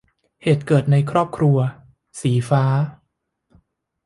เหตุเกิดในครอบครัว - สีฟ้า